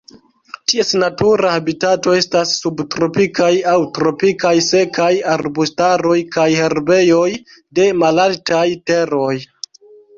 Ties natura habitato estas subtropikaj aŭ tropikaj sekaj arbustaroj kaj herbejoj de malaltaj teroj.